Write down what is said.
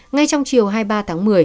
ngay trong chiều hai mươi ba tháng một mươi